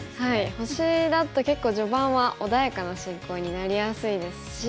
星だと結構序盤は穏やかな進行になりやすいですし。